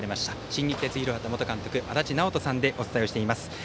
新日鉄広畑元監督足達尚人さんでお伝えをしています。